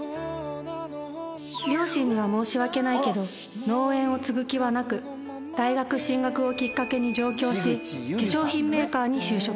両親には申し訳ないけど農園を継ぐ気はなく大学進学をきっかけに上京し化粧品メーカーに就職